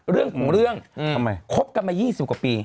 เรื่องของเรื่องคบกันมา๒๐กว่าปี